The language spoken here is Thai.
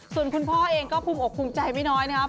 ส่วนคุณพ่อเองก็ภูมิอกภูมิใจไม่น้อยนะครับ